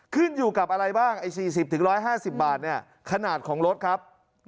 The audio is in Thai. ขึ้นอยู่กับอะไรบ้างไอ้๔๐๑๕๐บาทเนี่ยขนาดของรถครับ